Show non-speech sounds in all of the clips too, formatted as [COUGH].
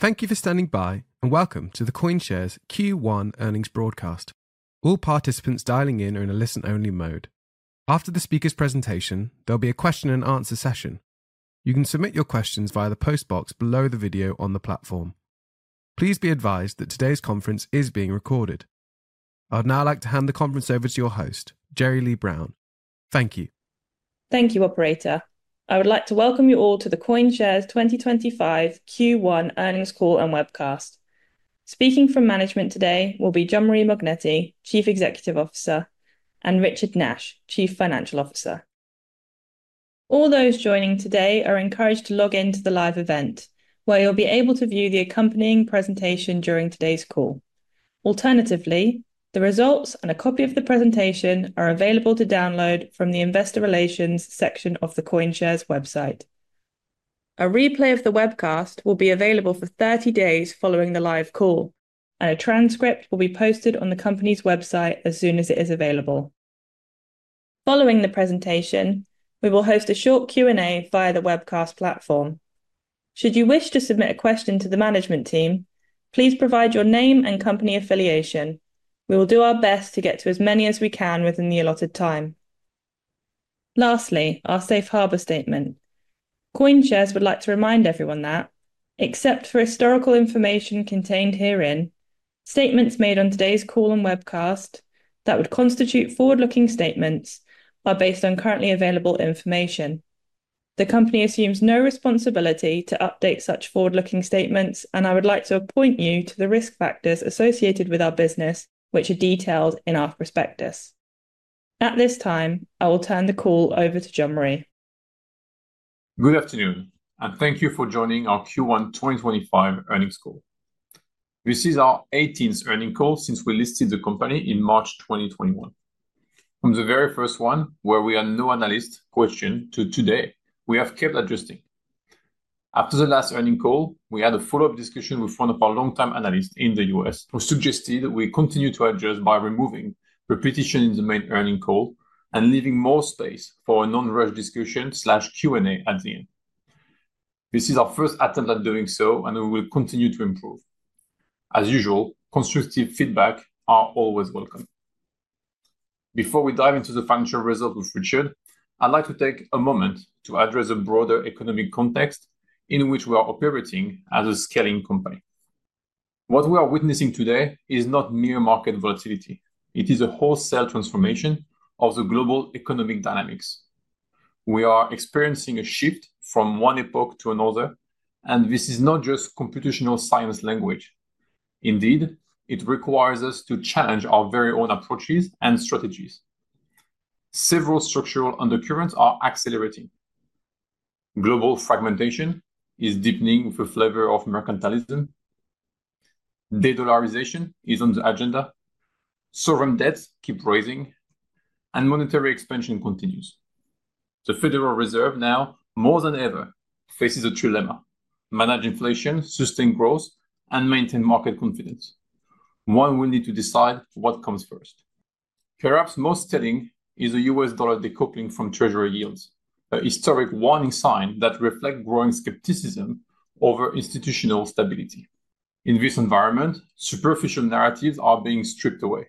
Thank you for standing by, and welcome to the CoinShares Q1 Earnings Broadcast. All participants dialing in are in a listen-only mode. After the speaker's presentation, there'll be a question-and-answer session. You can submit your questions via the postbox below the video on the platform. Please be advised that today's conference is being recorded. I'd now like to hand the conference over to your host, Jeri-Lea Brown. Thank you. Thank you, Operator. I would like to welcome you all to the CoinShares 2025 Q1 Earnings Call and Webcast. Speaking from management today will be Jean-Marie Mognetti, Chief Executive Officer, and Richard Nash, Chief Financial Officer. All those joining today are encouraged to log in to the live event, where you'll be able to view the accompanying presentation during today's call. Alternatively, the results and a copy of the presentation are available to download from the Investor Relations section of the CoinShares website. A replay of the webcast will be available for 30 days following the live call, and a transcript will be posted on the company's website as soon as it is available. Following the presentation, we will host a short Q&A via the webcast platform. Should you wish to submit a question to the management team, please provide your name and company affiliation. We will do our best to get to as many as we can within the allotted time. Lastly, our safe harbor statement. CoinShares would like to remind everyone that, except for historical information contained herein, statements made on today's call and webcast that would constitute forward-looking statements are based on currently available information. The company assumes no responsibility to update such forward-looking statements, and I would like to appoint you to the risk factors associated with our business, which are detailed in our prospectus. At this time, I will turn the call over to Jean-Marie. Good afternoon, and thank you for joining our Q1 2025 Earnings Call. This is our 18th earnings call since we listed the company in March 2021. From the very first one, where we had no analyst question, to today, we have kept adjusting. After the last earnings call, we had a follow-up discussion with one of our long-time analysts in the U.S., who suggested we continue to adjust by removing repetition in the main earnings call and leaving more space for a non-rush discussion/Q&A at the end. This is our first attempt at doing so, and we will continue to improve. As usual, constructive feedback is always welcome. Before we dive into the financial results with Richard, I'd like to take a moment to address a broader economic context in which we are operating as a scaling company. What we are witnessing today is not mere market volatility. It is a wholesale transformation of the global economic dynamics. We are experiencing a shift from one epoch to another, and this is not just computational science language. Indeed, it requires us to challenge our very own approaches and strategies. Several structural undercurrents are accelerating. Global fragmentation is deepening with a flavor of mercantilism. Dedollarization is on the agenda. Sovereign debts keep rising, and monetary expansion continues. The Federal Reserve now, more than ever, faces a true dilemma: manage inflation, sustain growth, and maintain market confidence. One will need to decide what comes first. Perhaps most telling is the U.S. dollar decoupling from Treasury yields, a historic warning sign that reflects growing skepticism over institutional stability. In this environment, superficial narratives are being stripped away.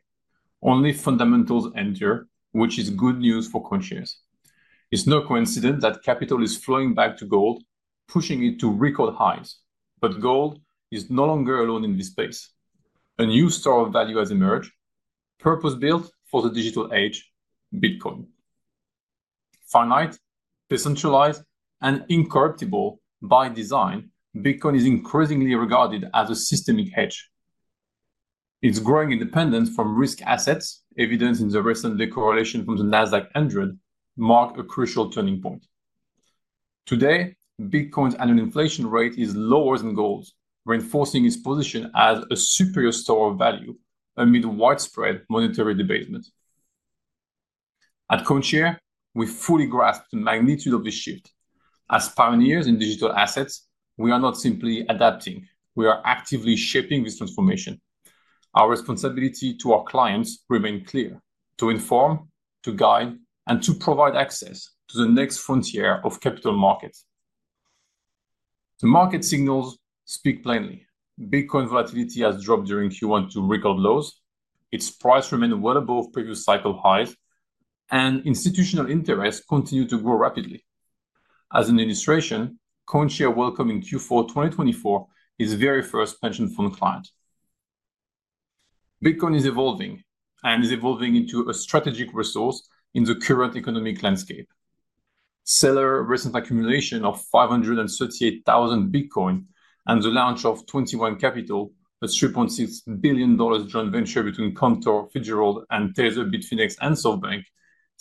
Only fundamentals enter, which is good news for CoinShares. It's no coincidence that capital is flowing back to gold, pushing it to record highs. Gold is no longer alone in this space. A new store of value has emerged, purpose-built for the digital age: Bitcoin. Finite, decentralized, and incorruptible by design, Bitcoin is increasingly regarded as a systemic hedge. Its growing independence from risk assets, evident in the recent decorrelation from the Nasdaq-100, marks a crucial turning point. Today, Bitcoin's annual inflation rate is lower than gold's, reinforcing its position as a superior store of value amid widespread monetary debasement. At CoinShares, we fully grasp the magnitude of this shift. As pioneers in digital assets, we are not simply adapting. We are actively shaping this transformation. Our responsibility to our clients remains clear: to inform, to guide, and to provide access to the next frontier of Capital Markets. The market signals speak plainly. Bitcoin volatility has dropped during Q1 to record lows. Its price remained well above previous cycle highs, and institutional interest continues to grow rapidly. As an illustration, CoinShares welcoming Q4 2024 is the very first pension fund client. Bitcoin is evolving and is evolving into a strategic resource in the current economic landscape. Seller recent accumulation of 538,000 Bitcoin and the launch of 21 Capital, a $3.6 billion joint venture between Cantor Fitzgerald, Tether, Bitfinex, and SoftBank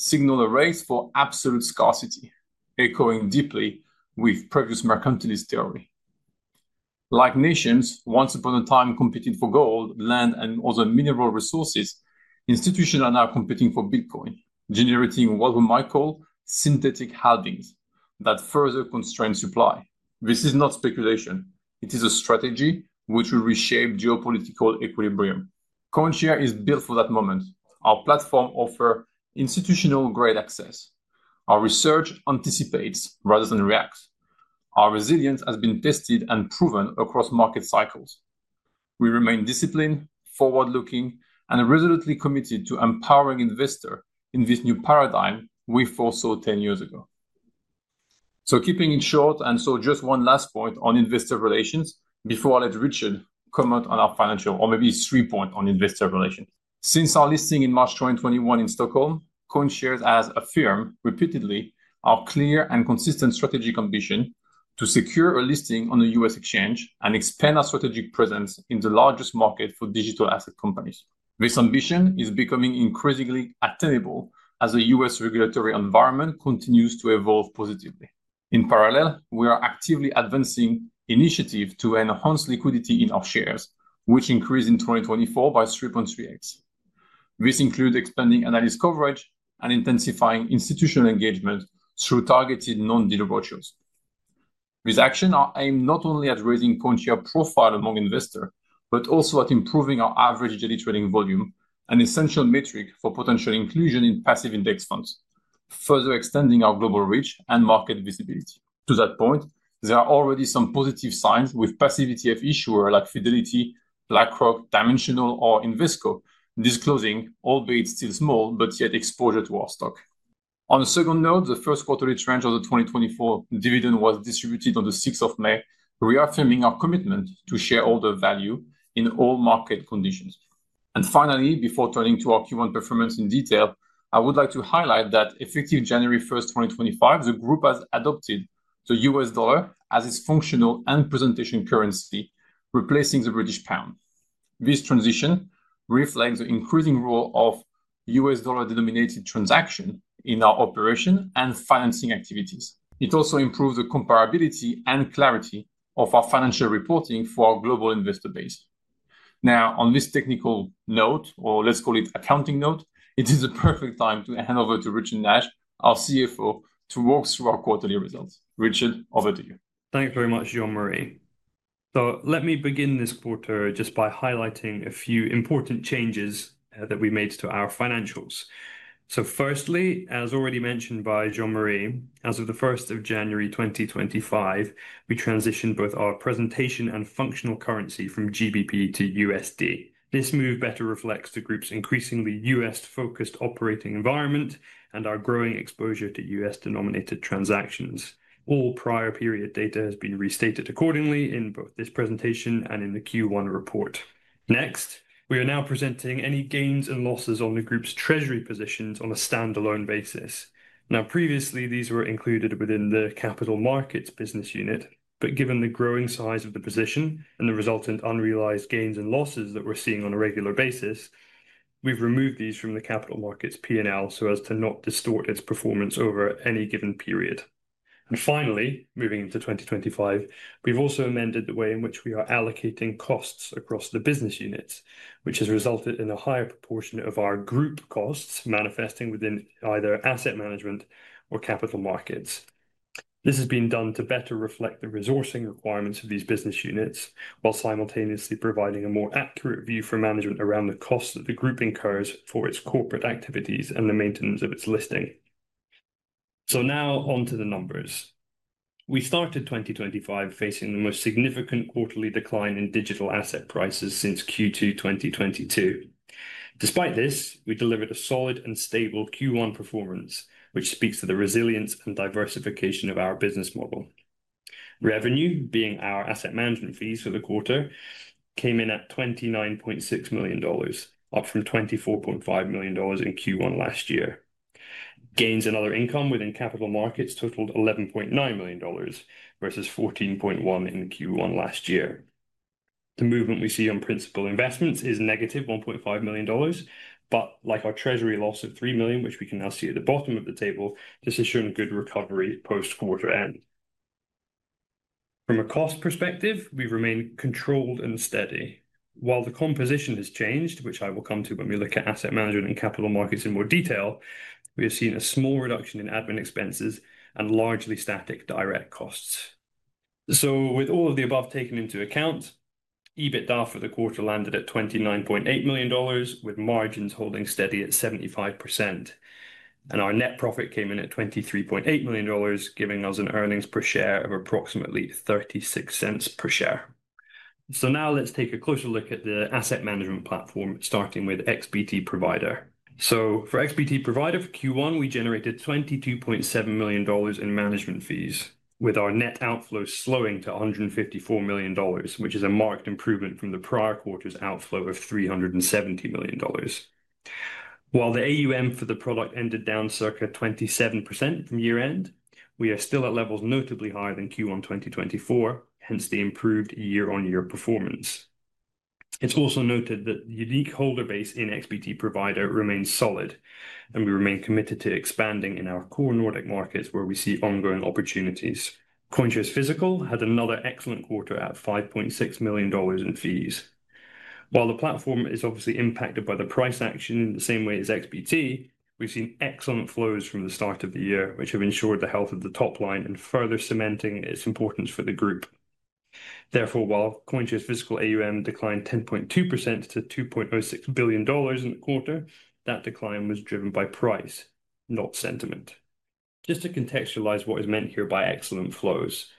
signal a race for absolute scarcity, echoing deeply with previous mercantilist theory. Like nations once upon a time competed for gold, land, and other mineral resources, institutions are now competing for Bitcoin, generating what we might call synthetic halvings that further constrain supply. This is not speculation. It is a strategy which will reshape geopolitical equilibrium. CoinShares is built for that moment. Our platform offers institutional-grade access. Our research anticipates rather than reacts. Our resilience has been tested and proven across market cycles. We remain disciplined, forward-looking, and resolutely committed to empowering investors in this new paradigm we foresaw 10 years ago. Keeping it short, just one last point on investor relations before I let Richard comment on our financial, or maybe three points on investor relations. Since our listing in March 2021 in Stockholm, CoinShares has affirmed repeatedly our clear and consistent strategic ambition to secure a listing on the U.S. exchange and expand our strategic presence in the largest market for digital asset companies. This ambition is becoming increasingly attainable as the U.S. regulatory environment continues to evolve positively. In parallel, we are actively advancing initiatives to enhance liquidity in our shares, which increased in 2024 by 3.3x. This includes expanding analyst coverage and intensifying institutional engagement through targeted non-deliverables. These actions are aimed not only at raising CoinShares profile among investors, but also at improving our average daily trading volume, an essential metric for potential inclusion in passive index funds, further extending our global reach and market visibility. To that point, there are already some positive signs with passive ETF issuers like Fidelity, BlackRock, Dimensional, or Invesco disclosing, albeit still small, but yet exposure to our stock. On a second note, the first quarterly trend of the 2024 dividend was distributed on the 6th of May, reaffirming our commitment to shareholder value in all market conditions. Finally, before turning to our Q1 performance in detail, I would like to highlight that effective January 1st, 2025, the group has adopted the U.S. dollar as its functional and presentation currency, replacing the British pound. This transition reflects the increasing role of U.S. dollar-denominated transactions in our operation and financing activities. It also improves the comparability and clarity of our financial reporting for our global investor base. Now, on this technical note, or let's call it accounting note, it is a perfect time to hand over to Richard Nash, our CFO, to walk through our quarterly results. Richard, over to you. Thanks very much, Jean-Marie. Let me begin this quarter just by highlighting a few important changes that we made to our financials. Firstly, as already mentioned by Jean-Marie, as of the 1st of January 2025, we transitioned both our presentation and functional currency from GBP to USD. This move better reflects the group's increasingly U.S.-focused operating environment and our growing exposure to U.S.-denominated transactions. All prior period data has been restated accordingly in both this presentation and in the Q1 report. Next, we are now presenting any gains and losses on the group's treasury positions on a standalone basis. Now, previously, these were included within the Capital Markets business unit, but given the growing size of the position and the resultant unrealized gains and losses that we're seeing on a regular basis, we've removed these from the Capital Markets P&L so as to not distort its performance over any given period. Finally, moving into 2025, we've also amended the way in which we are allocating costs across the business units, which has resulted in a higher proportion of our group costs manifesting within either Asset Management or Capital Markets. This has been done to better reflect the resourcing requirements of these business units while simultaneously providing a more accurate view for management around the costs that the group incurs for its corporate activities and the maintenance of its listing. Now on to the numbers. We started 2025 facing the most significant quarterly decline in digital asset prices since Q2 2022. Despite this, we delivered a solid and stable Q1 performance, which speaks to the resilience and diversification of our business model. Revenue, being our Asset Management fees for the quarter, came in at $29.6 million, up from $24.5 million in Q1 last year. Gains and other income within Capital Markets totaled $11.9 million versus $14.1 million in Q1 last year. The movement we see on principal investments is $-1.5 million, but like our treasury loss of $3 million, which we can now see at the bottom of the table, this has shown good recovery post-quarter end. From a cost perspective, we've remained controlled and steady. While the composition has changed, which I will come to when we look at Asset Management and Capital Markets in more detail, we have seen a small reduction in admin expenses and largely static direct costs. With all of the above taken into account, EBITDA for the quarter landed at $29.8 million, with margins holding steady at 75%. Our net profit came in at $23.8 million, giving us an earnings per share of approximately $0.36 per share. Now let's take a closer look at the Asset Management platform, starting with XBT Provider. For XBT Provider for Q1, we generated $22.7 million in management fees, with our net outflow slowing to $154 million, which is a marked improvement from the prior quarter's outflow of $370 million. While the AUM for the product ended down circa 27% from year-end, we are still at levels notably higher than Q1 2024, hence the improved year-on-year performance. It's also noted that the unique holder base in XBT Provider remains solid, and we remain committed to expanding in our core Nordic Markets where we see ongoing opportunities. CoinShares Physical had another excellent quarter at $5.6 million in fees. While the platform is obviously impacted by the price action in the same way as XBT, we've seen excellent flows from the start of the year, which have ensured the health of the top line and further cementing its importance for the group. Therefore, while CoinShares Physical AUM declined 10.2% to $2.06 billion in the quarter, that decline was driven by price, not sentiment. Just to contextualize what is meant here by excellent flows,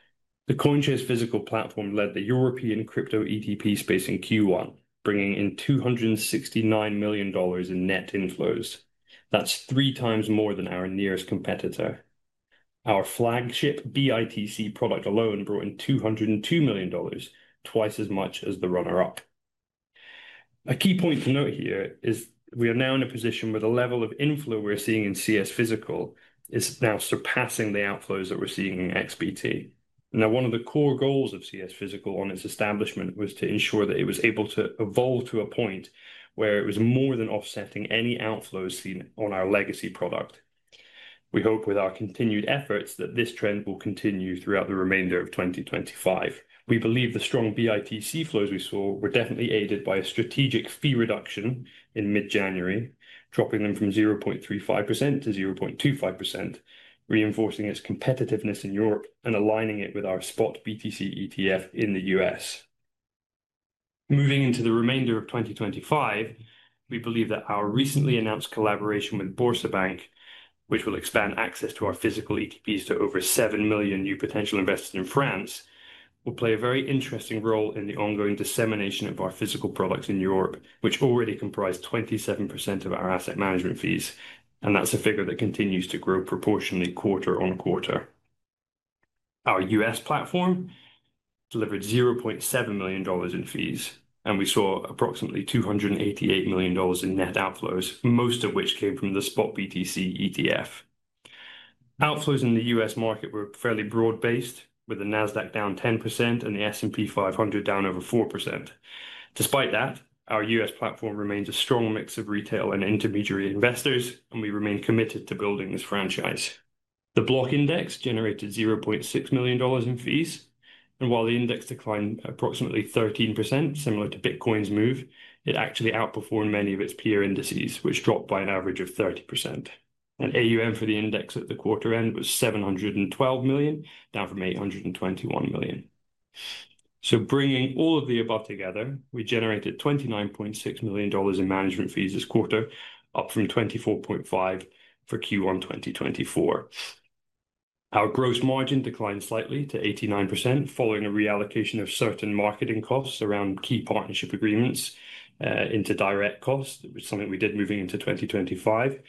the CoinShares Physical platform led the European crypto ETP space in Q1, bringing in $269 million in net inflows. That's three times more than our nearest competitor. Our flagship BITC product alone brought in $202 million, twice as much as the runner-up. A key point to note here is we are now in a position where the level of inflow we're seeing in CS Physical is now surpassing the outflows that we're seeing in XBT. Now, one of the core goals of CS Physical on its establishment was to ensure that it was able to evolve to a point where it was more than offsetting any outflows seen on our legacy product. We hope with our continued efforts that this trend will continue throughout the remainder of 2025. We believe the strong BITC flows we saw were definitely aided by a strategic fee reduction in mid-January, dropping them from 0.35%-0.25%, reinforcing its competitiveness in Europe and aligning it with our spot BTC ETF in the U.S.. Moving into the remainder of 2025, we believe that our recently announced collaboration with BoursoBank, which will expand access to our physical ETPs to over 7 million new potential investors in France, will play a very interesting role in the ongoing dissemination of our physical products in Europe, which already comprised 27% of our Asset Management fees. That is a figure that continues to grow proportionally quarter-on-quarter. Our U.S. platform delivered $0.7 million in fees, and we saw approximately $288 million in net outflows, most of which came from the spot BTC ETF. Outflows in the U.S. market were fairly broad-based, with the Nasdaq down 10% and the S&P 500 down over 4%. Despite that, our U.S. platform remains a strong mix of retail and intermediary investors, and we remain committed to building this franchise. The BLOCK Index generated $0.6 million in fees, and while the index declined approximately 13%, similar to Bitcoin's move, it actually outperformed many of its peer indices, which dropped by an average of 30%. AUM for the index at the quarter end was $712 million, down from $821 million. Bringing all of the above together, we generated $29.6 million in management fees this quarter, up from $24.5 million for Q1 2024. Our gross margin declined slightly to 89%, following a reallocation of certain marketing costs around key partnership agreements into direct costs, which is something we did moving into 2025.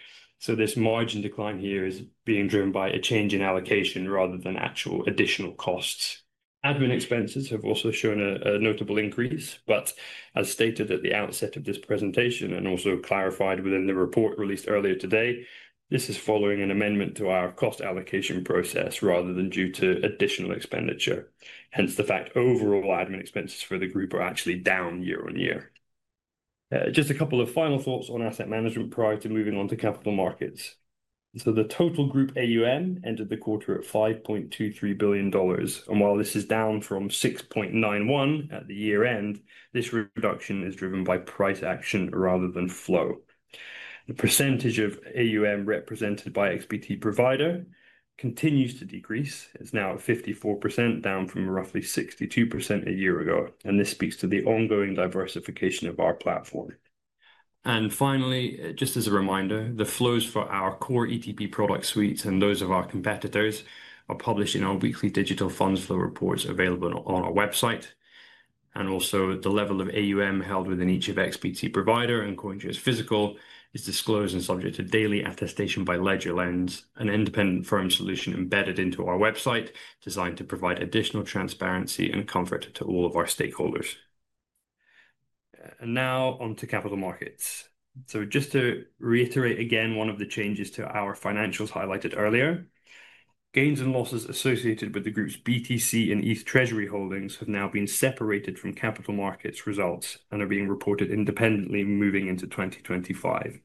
This margin decline here is being driven by a change in allocation rather than actual additional costs. Admin expenses have also shown a notable increase, but as stated at the outset of this presentation and also clarified within the report released earlier today, this is following an amendment to our cost allocation process rather than due to additional expenditure. Hence the fact overall admin expenses for the group are actually down year on year. Just a couple of final thoughts on Asset Management prior to moving on to Capital Markets. The total group AUM entered the quarter at $5.23 billion. While this is down from $6.91 billion at the year-end, this reduction is driven by price action rather than flow. The percentage of AUM represented by XBT Provider continues to decrease. It is now at 54%, down from roughly 62% a year ago. This speaks to the ongoing diversification of our platform. Finally, just as a reminder, the flows for our core ETP product suites and those of our competitors are published in our weekly digital funds flow reports available on our website. Also, the level of AUM held within each of XBT Provider and CoinShares Physical is disclosed and subject to daily attestation by Ledger, an independent firm solution embedded into our website designed to provide additional transparency and comfort to all of our stakeholders. Now on to Capital Markets. Just to reiterate again one of the changes to our financials highlighted earlier, gains and losses associated with the group's BTC and ETH treasury holdings have now been separated from Capital Markets results and are being reported independently moving into 2025.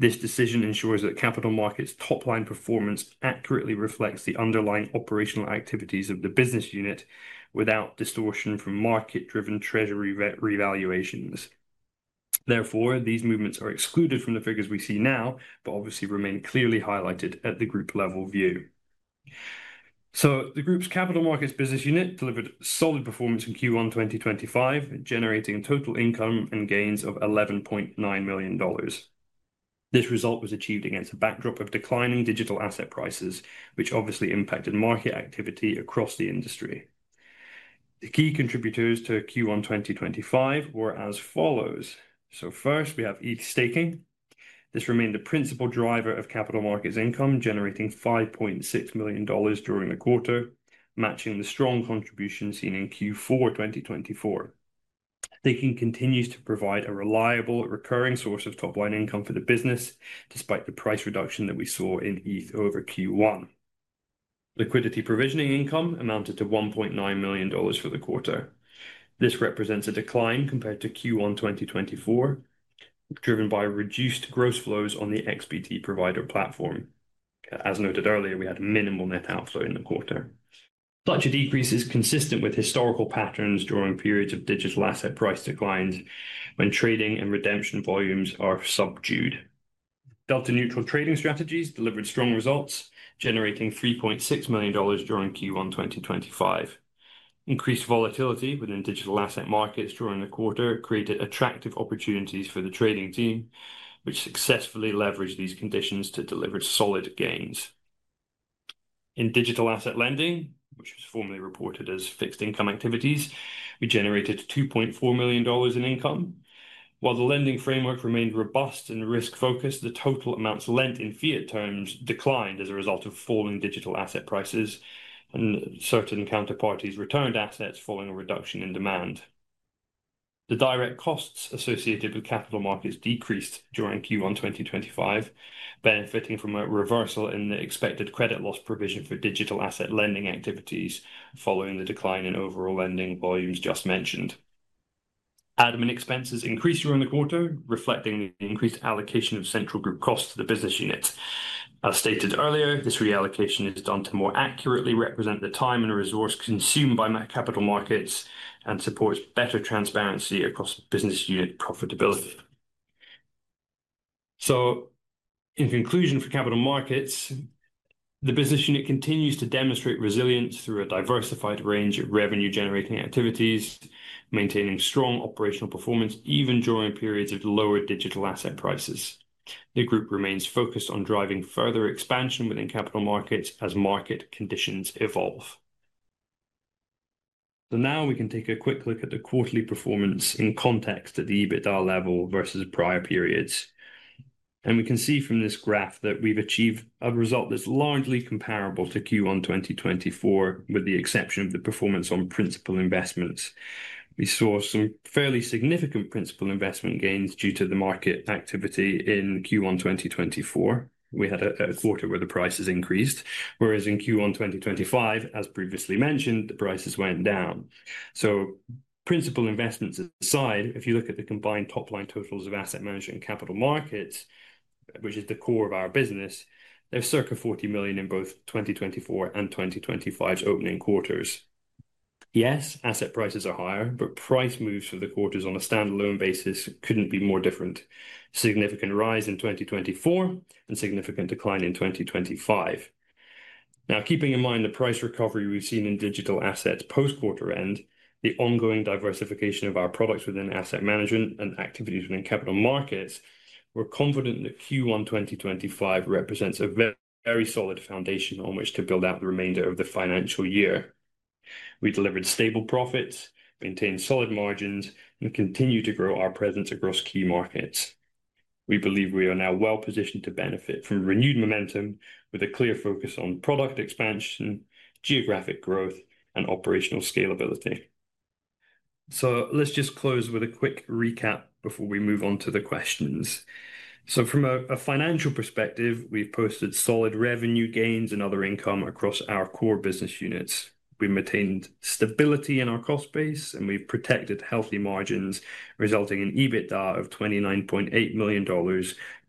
This decision ensures that Capital Markets top line performance accurately reflects the underlying operational activities of the business unit without distortion from market-driven treasury revaluations. Therefore, these movements are excluded from the figures we see now, but obviously remain clearly highlighted at the group level view. The group's Capital Markets business unit delivered solid performance in Q1 2025, generating a total income and gains of $11.9 million. This result was achieved against a backdrop of declining digital asset prices, which obviously impacted market activity across the industry. The key contributors to Q1 2025 were as follows. First, we have ETH Staking. This remained the principal driver of Capital Markets income, generating $5.6 million during the quarter, matching the strong contribution seen in Q4 2024. Staking continues to provide a reliable recurring source of top line income for the business, despite the price reduction that we saw in ETH over Q1. Liquidity provisioning income amounted to $1.9 million for the quarter. This represents a decline compared to Q1 2024, driven by reduced gross flows on the XBT Provider platform. As noted earlier, we had minimal net outflow in the quarter. Such a decrease is consistent with historical patterns during periods of digital asset price declines when trading and redemption volumes are subdued. Delta-neutral trading strategies delivered strong results, generating $3.6 million during Q1 2025. Increased volatility within digital asset markets during the quarter created attractive opportunities for the trading team, which successfully leveraged these conditions to deliver solid gains. In digital asset lending, which was formerly reported as fixed income activities, we generated $2.4 million in income. While the lending framework remained robust and risk-focused, the total amounts lent in fiat terms declined as a result of falling digital asset prices and certain counterparties returned assets following a reduction in demand. The direct costs associated with Capital Markets decreased during Q1 2025, benefiting from a reversal in the expected credit loss provision for digital asset lending activities following the decline in overall lending volumes just mentioned. Admin expenses increased during the quarter, reflecting the increased allocation of central group costs to the business unit. As stated earlier, this reallocation is done to more accurately represent the time and resource consumed by Capital Markets and supports better transparency across business unit profitability. In conclusion for Capital Markets, the business unit continues to demonstrate resilience through a diversified range of revenue-generating activities, maintaining strong operational performance even during periods of lower digital asset prices. The group remains focused on driving further expansion within Capital Markets as market conditions evolve. Now we can take a quick look at the quarterly performance in context at the EBITDA level versus prior periods. We can see from this graph that we've achieved a result that's largely comparable to Q1 2024, with the exception of the performance on principal investments. We saw some fairly significant principal investment gains due to the market activity in Q1 2024. We had a quarter where the prices increased, whereas in Q1 2025, as previously mentioned, the prices went down. Principal investments aside, if you look at the combined top line totals of Asset Management and Capital Markets, which is the core of our business, they're circa $40 million in both 2024 and 2025 opening quarters. Yes, asset prices are higher, but price moves for the quarters on a standalone basis could not be more different. Significant rise in 2024 and significant decline in 2025. Now, keeping in mind the price recovery we have seen in digital assets post-quarter end, the ongoing diversification of our products within Asset Management and activities within Capital Markets, we are confident that Q1 2025 represents a very solid foundation on which to build out the remainder of the financial year. We delivered stable profits, maintained solid margins, and continue to grow our presence across key markets. We believe we are now well positioned to benefit from renewed momentum with a clear focus on product expansion, geographic growth, and operational scalability. Let us just close with a quick recap before we move on to the questions. From a financial perspective, we have posted solid revenue gains and other income across our core business units. We've maintained stability in our cost base, and we've protected healthy margins, resulting in EBITDA of $29.8 million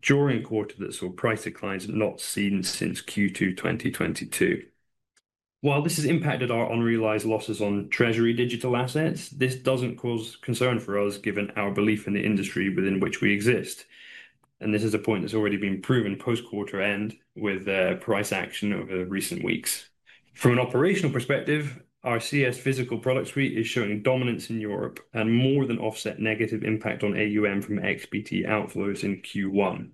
during the quarter that saw price declines not seen since Q2 2022. While this has impacted our unrealized losses on treasury digital assets, this doesn't cause concern for us given our belief in the industry within which we exist. This is a point that's already been proven post-quarter end with price action over the recent weeks. From an operational perspective, our CS Physical product suite is showing dominance in Europe and more than offsets negative impact on AUM from XBT outflows in Q1.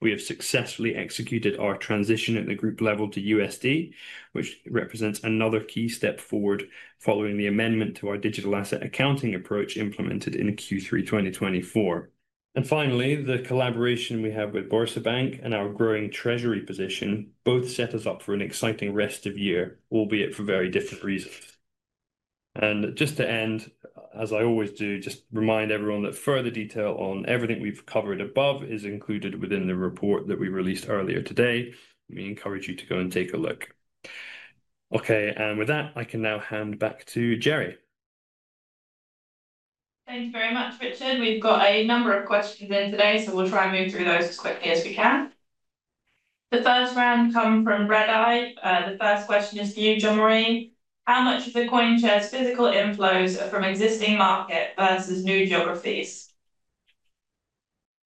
We have successfully executed our transition at the group level to USD, which represents another key step forward following the amendment to our digital asset accounting approach implemented in Q3 2024. Finally, the collaboration we have with BoursoBank and our growing treasury position both set us up for an exciting rest of year, albeit for very different reasons. Just to end, as I always do, just remind everyone that further detail on everything we have covered above is included within the report that we released earlier today. We encourage you to go and take a look. Okay, with that, I can now hand back to Jeri. Thanks very much, Richard. We have a number of questions in today, so we will try and move through those as quickly as we can. The first round comes from Redeye. The first question is for you, Jean-Marie. How much of the CoinShares Physical inflows are from existing market versus new geographies?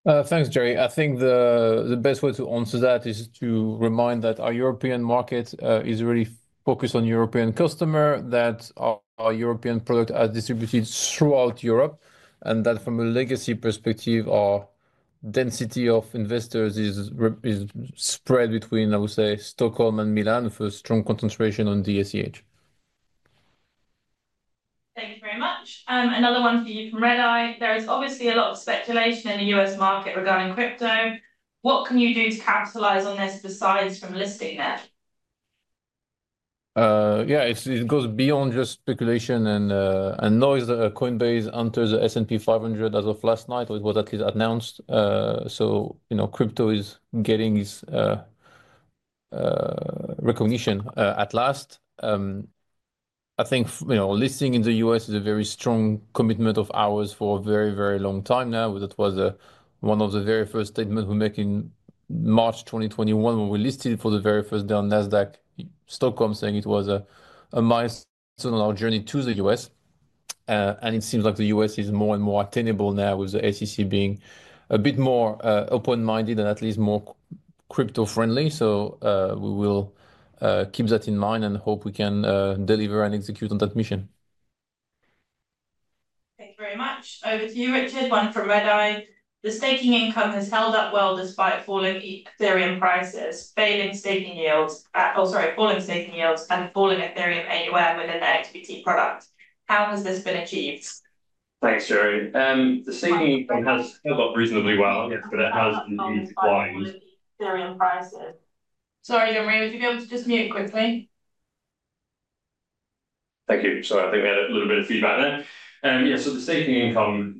Thanks, Jeri. I think the best way to answer that is to remind that our European market is really focused on European customers, that our European product is distributed throughout Europe, and that from a legacy perspective, our density of investors is spread between, I would say, Stockholm and Milan for a strong concentration on DACH. Thank you very much. Another one for you from Redeye. There is obviously a lot of speculation in the U.S. market regarding crypto. What can you do to capitalize on this besides from listing there? Yeah, it goes beyond just speculation and noise that Coinbase enters the S&P 500 as of last night, or it was at least announced. You know, crypto is getting its recognition at last. I think, you know, listing in the U.S. is a very strong commitment of ours for a very, very long time now. That was one of the very first statements we made in March 2021 when we listed for the very first day on Nasdaq Stockholm, saying it was a milestone on our journey to the U.S.. It seems like the U.S. is more and more attainable now, with the SEC being a bit more open-minded and at least more crypto-friendly. We will keep that in mind and hope we can deliver and execute on that mission. Thank you very much. Over to you, Richard. One from Redeye. The staking income has held up well despite falling Ethereum prices, failing staking yields, or sorry, falling staking yields and falling Ethereum anywhere within the XBT product. How has this been achieved? Thanks, Jeri. The staking income has held up reasonably well, yes, but it has indeed declined. [CROSSTALK] Sorry, Jean-Marie, would you be able to just mute quickly? Thank you. Sorry, I think we had a little bit of feedback there. Yeah, so the staking income,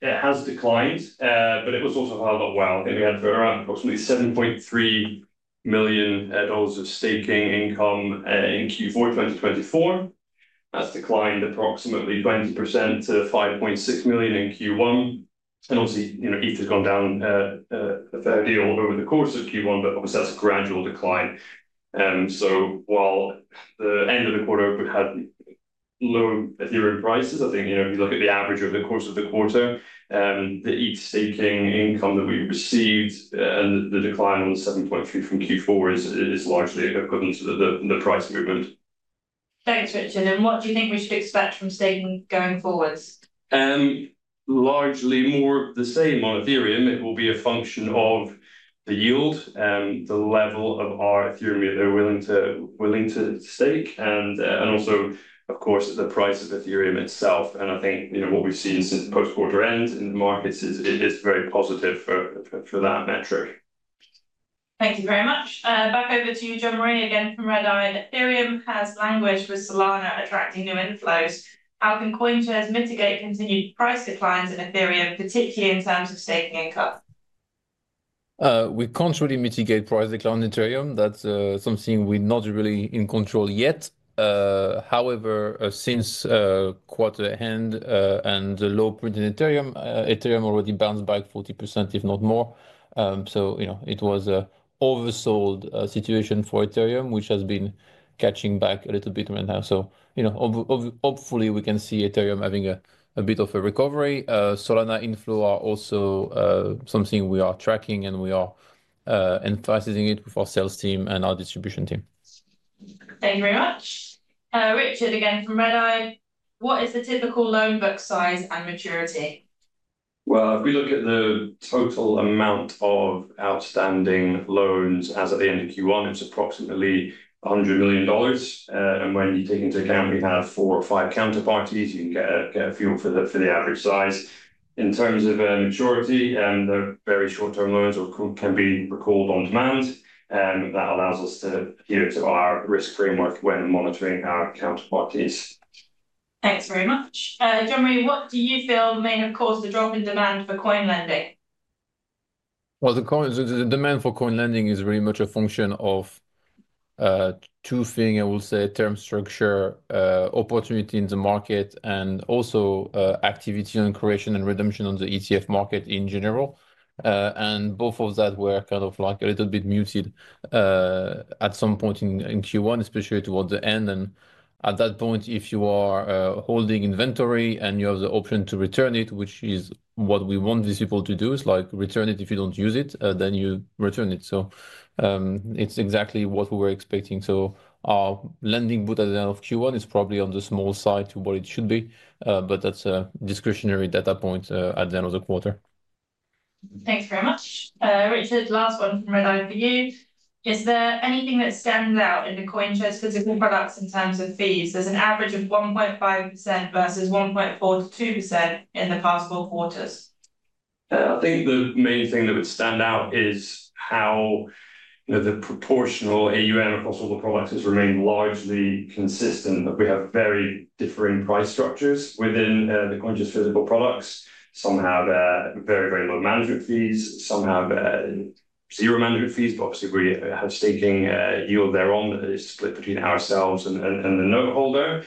it has declined, but it was also held up well. I think we had around approximately $7.3 million of staking income in Q4 2024. That's declined approximately 20% to $5.6 million in Q1. Obviously, you know, ETH has gone down a fair deal over the course of Q1, but obviously that's a gradual decline. While the end of the quarter would have lower Ethereum prices, I think, you know, if you look at the average over the course of the quarter, the ETH staking income that we received and the decline on the $7.3 million from Q4 is largely equivalent to the price movement. Thanks, Richard. What do you think we should expect from staking going forward? Largely more of the same on Ethereum. It will be a function of the yield, the level of our Ethereum that we're willing to stake, and also, of course, the price of Ethereum itself. I think, you know, what we've seen since post-quarter end in the markets is very positive for that metric. Thank you very much. Back over to you, Jean-Marie, again from Redeye. Ethereum has languished with Solana attracting new inflows. How can CoinShares mitigate continued price declines in Ethereum, particularly in terms of staking income? We can't really mitigate price decline in Ethereum. That's something we're not really in control yet. However, since quarter ahead and the low print in Ethereum, Ethereum already bounced back 40%, if not more. You know, it was an oversold situation for Ethereum, which has been catching back a little bit right now. So, you know, hopefully we can see Ethereum having a bit of a recovery. Solana inflow are also something we are tracking and we are emphasizing it with our sales team and our distribution team. Thank you very much. Richard, again from Redeye. What is the typical loan book size and maturity? If we look at the total amount of outstanding loans as at the end of Q1, it's approximately $100 million. When you take into account we have four or five counterparties, you can get a feel for the average size. In terms of maturity, they're very short-term loans or can be recalled on demand. That allows us to adhere to our risk framework when monitoring our counterparties. Thanks very much. Jean-Marie, what do you feel may have caused the drop in demand for coin lending? The demand for coin lending is very much a function of two things, I will say, term structure, opportunity in the market, and also activity on creation and redemption on the ETF market in general. Both of that were kind of like a little bit muted at some point in Q1, especially towards the end. At that point, if you are holding inventory and you have the option to return it, which is what we want these people to do, it's like return it if you don't use it, then you return it. It's exactly what we were expecting. Our lending boot at the end of Q1 is probably on the small side to what it should be, but that's a discretionary data point at the end of the quarter. Thanks very much. Richard, last one from Redeye for you. Is there anything that stands out in the CoinShares Physical products in terms of fees? There's an average of 1.5% versus 1.4-2% in the past four quarters. I think the main thing that would stand out is how, you know, the proportional AUM across all the products has remained largely consistent, that we have very differing price structures within the CoinShares Physical products. Some have very, very low management fees, some have zero management fees, but obviously we have staking yield thereon that is split between ourselves and the noteholder.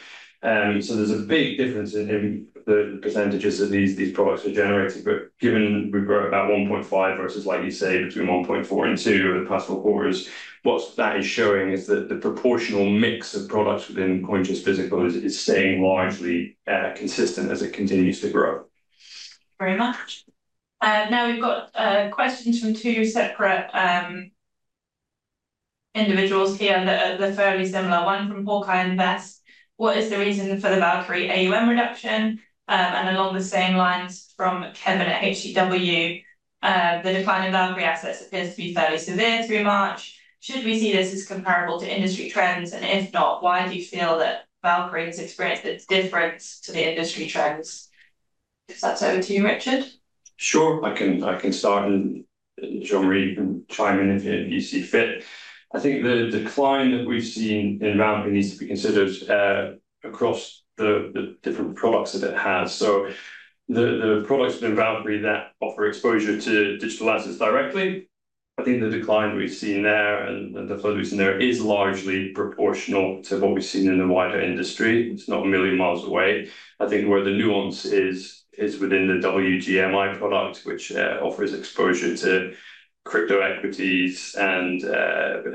So there's a big difference in the percentages that these products are generated. But given we've grown about 1.5% versus, like you say, between 1.4% and 2% over the past four quarters, what that is showing is that the proportional mix of products within CoinShares Physical is staying largely consistent as it continues to grow. Very much. Now we've got questions from two separate individuals here that are fairly similar. One from Hawkeye Invest. What is the reason for the Valkyrie AUM reduction? Along the same lines from Kevin at HCW, the decline in Valkyrie assets appears to be fairly severe through March. Should we see this as comparable to industry trends? If not, why do you feel that Valkyrie has experienced a difference to the industry trends? That is over to you, Richard. Sure, I can start and Jean-Marie, you can chime in if you see fit. I think the decline that we've seen in Valkyrie needs to be considered across the different products that it has. The products in Valkyrie that offer exposure to digital assets directly, I think the decline we've seen there and the flow that we've seen there is largely proportional to what we've seen in the wider industry. It's not a million miles away. I think where the nuance is, is within the WGMI product, which offers exposure to crypto equities and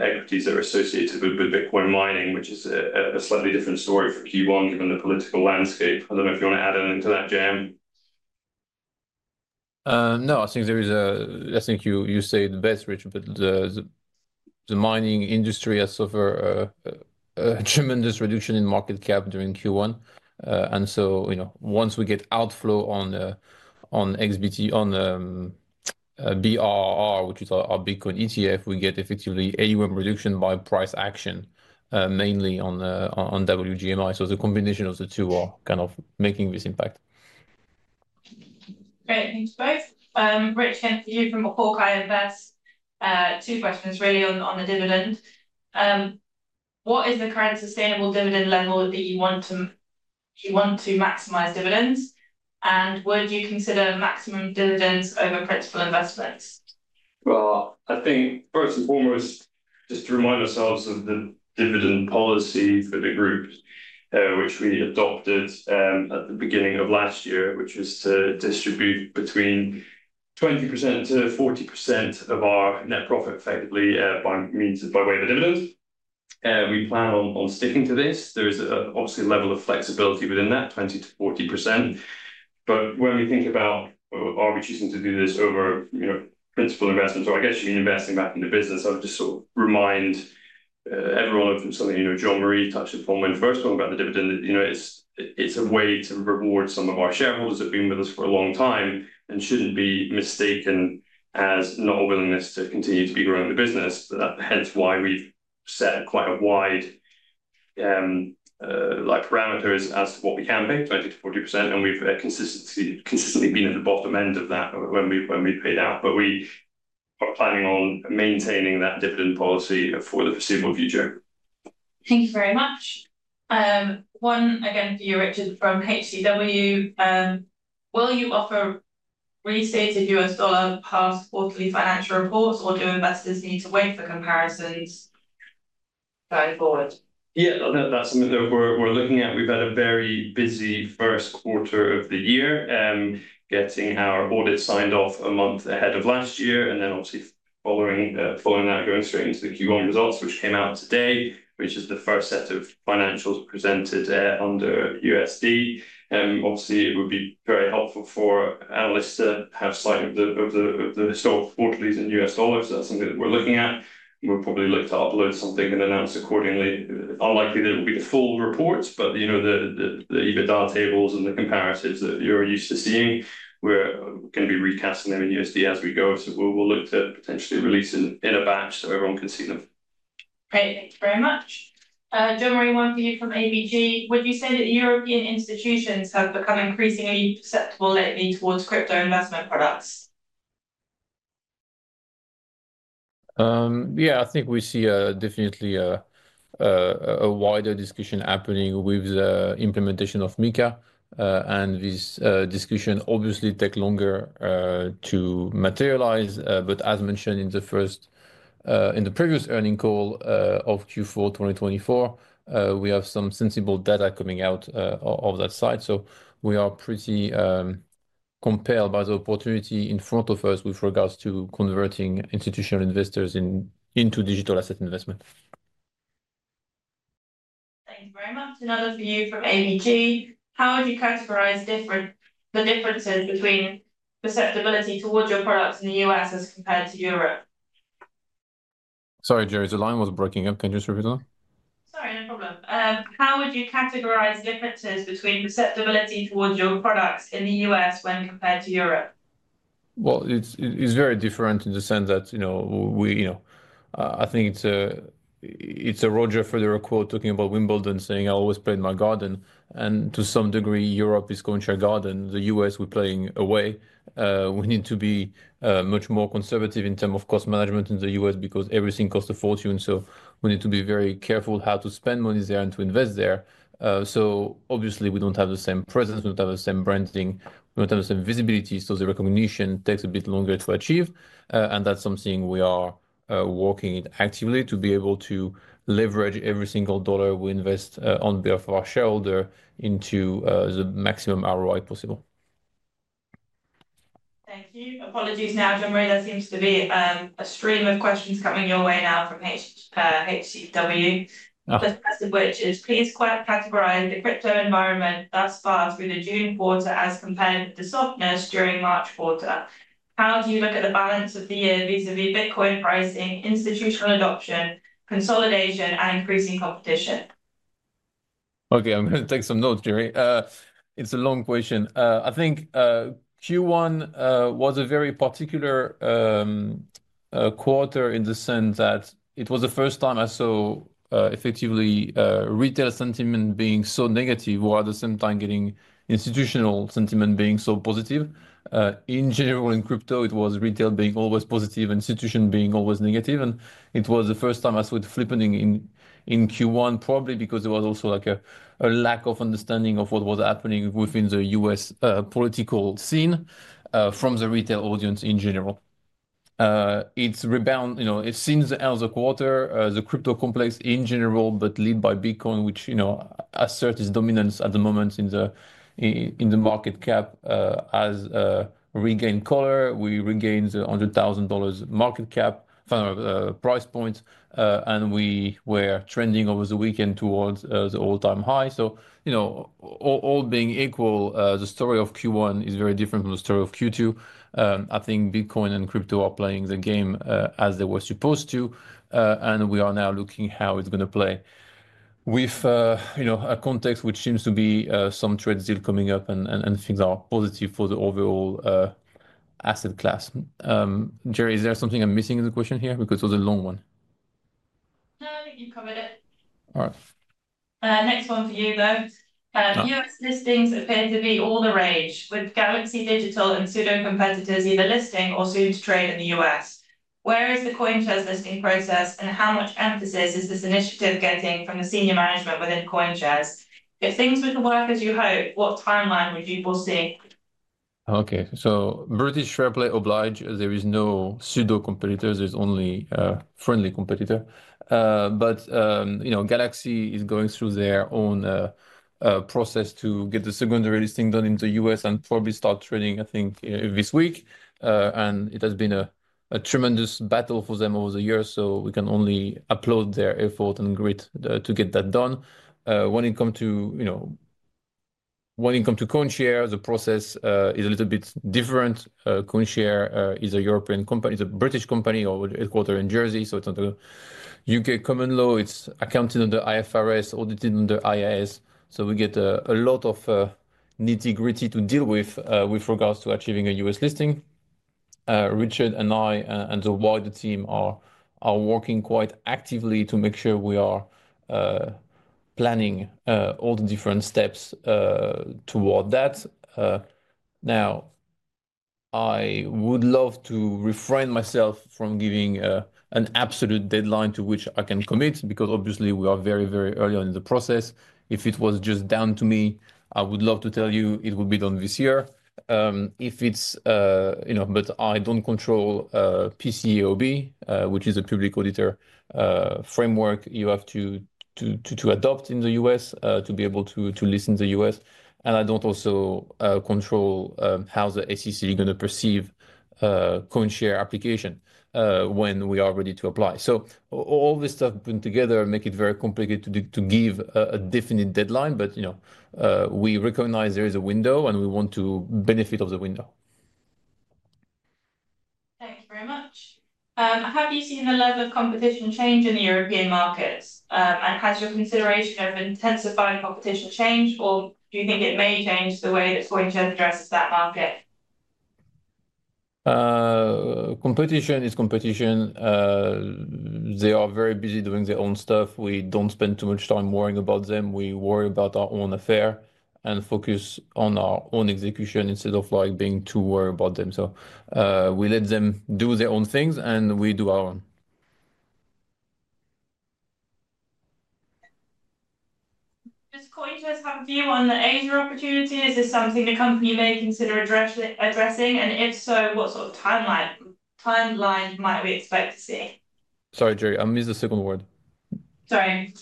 equities that are associated with Bitcoin mining, which is a slightly different story for Q1 given the political landscape. I don't know if you want to add anything to that, JM. No, I think there is a, I think you say it best, Richard, but the mining industry has suffered a tremendous reduction in market cap during Q1. And so, you know, once we get outflow on XBT, on BRRR, which is our Bitcoin ETF, we get effectively AUM reduction by price action, mainly on WGMI. So the combination of the two are kind of making this impact. Great, thanks both. Richard, you from Hawkeye Invest. Two questions really on the dividend. What is the current sustainable dividend level that you want to maximize dividends? Would you consider maximum dividends over principal investments? I think first and foremost, just to remind ourselves of the dividend policy for the group, which we adopted at the beginning of last year, which was to distribute between 20%-40% of our net profit effectively by means of by way of a dividend. We plan on sticking to this. There is obviously a level of flexibility within that 20%-40%. When we think about, are we choosing to do this over, you know, principal investments, or I guess you mean investing back in the business, I would just sort of remind everyone of something, you know, Jean-Marie touched upon when first talking about the dividend, you know, it's a way to reward some of our shareholders that have been with us for a long time and shouldn't be mistaken as not a willingness to continue to be growing the business. That's hence why we've set quite a wide parameters as to what we can pay, 20%-40%. We've consistently been at the bottom end of that when we've paid out. We are planning on maintaining that dividend policy for the foreseeable future. Thank you very much. One again for you, Richard, from HCW. Will you offer re-stated U.S. dollar past quarterly financial reports, or do investors need to wait for comparisons going forward? Yeah, that's something that we're looking at. We've had a very busy first quarter of the year, getting our audit signed off a month ahead of last year, and then obviously following that, going straight into the Q1 results, which came out today, which is the first set of financials presented under USD. Obviously, it would be very helpful for analysts to have a slide of the historical quarterlies in U.S. dollars. That's something that we're looking at. We'll probably look to upload something and announce accordingly. Unlikely that it will be the full reports, but you know, the EBITDA tables and the comparatives that you're used to seeing, we're going to be recasting them in USD as we go. We'll look to potentially release in a batch so everyone can see them. Great, thank you very much. Jean-Marie, one for you from ABG. Would you say that European institutions have become increasingly perceptible lately towards crypto investment products? Yeah, I think we see definitely a wider discussion happening with the implementation of MiCA. This discussion obviously takes longer to materialize. As mentioned in the previous earning call of Q4 2024, we have some sensible data coming out of that side. We are pretty compelled by the opportunity in front of us with regards to converting institutional investors into digital asset investment. Thank you very much. Another for you from ABG. How would you categorize the differences between perceptibility towards your products in the U.S. as compared to Europe? Sorry, Gerry, the line was breaking up. Can you just repeat that? Sorry, no problem. How would you categorize differences between perceptibility towards your products in the U.S. when compared to Europe? It's very different in the sense that, you know, I think it's a Roger Federer quote talking about Wimbledon saying, "I always played my garden." To some degree, Europe is CoinShares garden. The U.S., we're playing away. We need to be much more conservative in terms of cost management in the U.S. because everything costs a fortune. We need to be very careful how to spend money there and to invest there. Obviously, we don't have the same presence, we don't have the same branding, we don't have the same visibility. The recognition takes a bit longer to achieve. That's something we are working actively to be able to leverage every single dollar we invest on behalf of our shareholder into the maximum ROI possible. Thank you. Apologies now, Jean-Marie, there seems to be a stream of questions coming your way now from HCW. The first of which is, please categorize the crypto environment thus far through the June quarter as compared with the softness during March quarter. How do you look at the balance of the year vis-à-vis Bitcoin pricing, institutional adoption, consolidation, and increasing competition? Okay, I'm going to take some notes, Jeri. It's a long question. I think Q1 was a very particular quarter in the sense that it was the first time I saw effectively retail sentiment being so negative while at the same time getting institutional sentiment being so positive. In general, in crypto, it was retail being always positive, institution being always negative. It was the first time I saw it flipping in in Q1, probably because there was also like a lack of understanding of what was happening within the U.S. political scene from the retail audience in general. It has rebound, you know, since the end of the quarter, the crypto complex in general, but led by Bitcoin, which, you know, asserts its dominance at the moment in the market cap, has regained color. We regained the $100,000 market cap price point, and we were trending over the weekend towards the all-time high. You know, all being equal, the story of Q1 is very different from the story of Q2. I think Bitcoin and crypto are playing the game as they were supposed to. We are now looking at how it's going to play with, you know, a context which seems to be some trade deal coming up and things are positive for the overall asset class. Jeri, is there something I'm missing in the question here? Because it was a long one. No, you covered it. All right. Next one for you though. U.S. listings appear to be all the rage with Galaxy Digital and pseudo-competitors either listing or soon to trade in the U.S.. Where is the CoinShares listing process and how much emphasis is this initiative getting from the senior management within CoinShares? If things wouldn't work as you hope, what timeline would you foresee? Okay, so British Fairplay obliged, there is no pseudo-competitor, there's only a friendly competitor. You know, Galaxy is going through their own process to get the secondary listing done in the U.S. and probably start trading, I think, this week. It has been a tremendous battle for them over the years. We can only applaud their effort and grit to get that done. When it comes to, you know, when it comes to CoinShares, the process is a little bit different. CoinShares is a European company, it's a British company or headquartered in Jersey. It is under the U.K. Common Law. It is accounted under IFRS, audited under IAS. We get a lot of nitty-gritty to deal with with regards to achieving a U.S. listing. Richard and I and the wider team are working quite actively to make sure we are planning all the different steps toward that. Now, I would love to refrain myself from giving an absolute deadline to which I can commit because obviously we are very, very early on in the process. If it was just down to me, I would love to tell you it would be done this year. If it's, you know, but I don't control PCAOB, which is a public auditor framework you have to adopt in the U.S. to be able to list in the U.S. I don't also control how the SEC is going to perceive CoinShares application when we are ready to apply. All this stuff put together makes it very complicated to give a definite deadline. You know, we recognize there is a window and we want to benefit of the window. Thank you very much. Have you seen the level of competition change in the European markets? Has your consideration of intensifying competition changed or do you think it may change the way that CoinShares addresses that market? Competition is competition. They are very busy doing their own stuff. We do not spend too much time worrying about them. We worry about our own affair and focus on our own execution instead of being too worried about them. We let them do their own things and we do our own. Does CoinShares have a view on the Asia opportunity? Is this something the company may consider addressing? If so, what sort of timeline might we expect to see? Sorry, Gerry, I missed the second word. Sorry.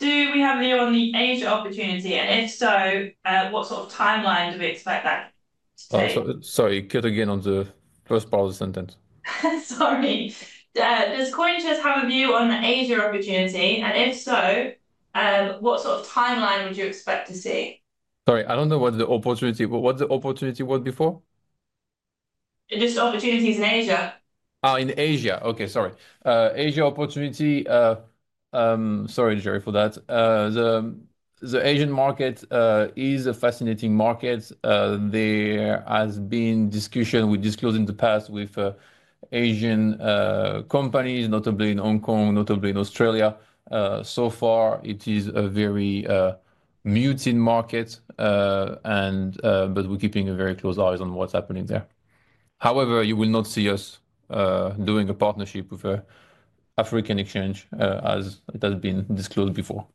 Do we have a view on the Asia opportunity? If so, what sort of timeline do we expect that to take? Sorry, cut again on the first part of the sentence. Sorry. Does CoinShares have a view on the Asia opportunity? And if so, what sort of timeline would you expect to see? Sorry, I do not know what the opportunity, but what the opportunity was before? Just opportunities in Asia. Oh, in Asia. Okay, sorry. Asia opportunity. Sorry, Jeri, for that. The Asian market is a fascinating market. There has been discussion with disclosing the past with Asian companies, notably in Hong Kong, notably in Australia. So far, it is a very muted market. We are keeping a very close eye on what is happening there. However, you will not see us doing a partnership with an African exchange as it has been disclosed before.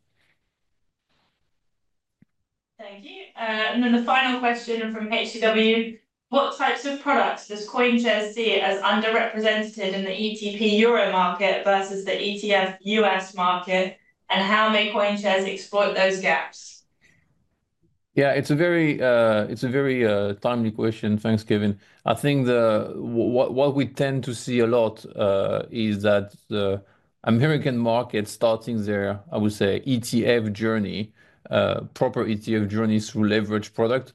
Thank you. The final question from HCW. What types of products does CoinShares see as underrepresented in the ETP Euro market versus the ETF U.S. market? And how may CoinShares exploit those gaps? Yeah, it's a very timely question, thanks, Kevin. I think what we tend to see a lot is that the American market starting their, I would say, ETF journey, proper ETF journey through leverage product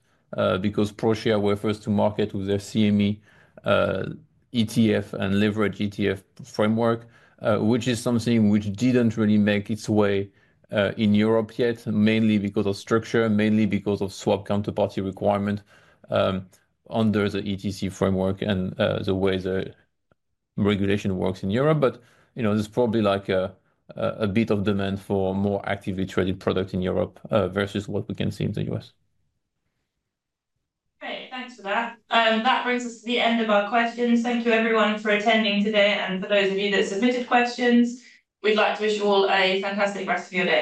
because ProShare were first to market with their CME ETF and leverage ETF framework, which is something which didn't really make its way in Europe yet, mainly because of structure, mainly because of swap counterparty requirement under the ETC framework and the way the regulation works in Europe. You know, there's probably like a bit of demand for more actively traded product in Europe versus what we can see in the U.S. Great, thanks for that. That brings us to the end of our questions. Thank you everyone for attending today. For those of you that submitted questions, we'd like to wish you all a fantastic rest of your day.